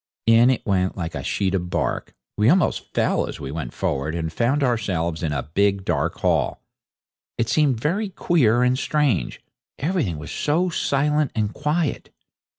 In it went like a sheet of bark; we almost fell as we ran forward and found ourselves in a big, dark hall. It seemed very queer and strange, everything was so silent and quiet.